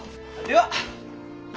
では。